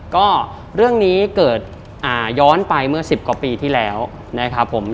ก็เรื่องนี้เกิดย้อนไปเมื่อ๑๐กว่าปีที่แล้วนะครับผม